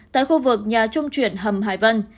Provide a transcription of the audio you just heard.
tại khu vực nhà trung chuyển hầm hải vân